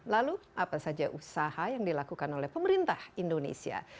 lalu apa saja usaha yang dilakukan oleh pemerintah indonesia